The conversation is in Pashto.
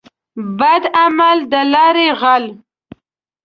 بد عمل دلاري غل.